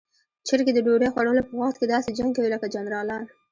چرګې د ډوډۍ خوړلو په وخت کې داسې جنګ کوي لکه جنرالان.